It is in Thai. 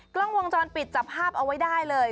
กล้องวงจรปิดจับภาพเอาไว้ได้เลย